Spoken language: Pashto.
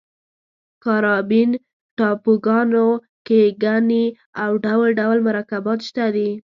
کارابین ټاپوګانو کې ګني او ډول ډول مرکبات شته دي.